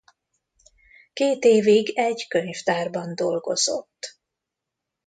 Két évig egy könyvtárban dolgozott.